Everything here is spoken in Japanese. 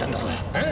えっ？